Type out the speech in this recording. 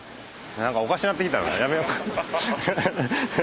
何かおかしなってきたなやめよ。